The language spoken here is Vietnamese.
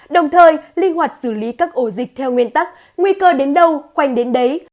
đồng thời linh hoạt xử lý các ổ dịch theo nguyên tắc nguy cơ đến đâu khoanh đến đấy